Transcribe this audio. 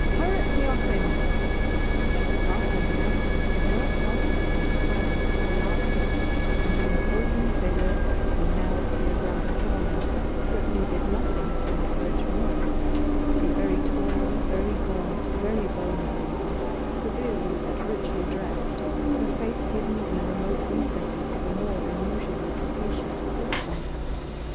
Pirate in the offing!" Such a startling announcement was well calculated to silence all laughter; and the imposing figure who now appeared round the corner certainly did nothing to encourage mirth: a very tall, very gaunt, very bony lady, severely but richly dressed; her face hidden in the remote recesses of a more than usually capacious poke bonnet.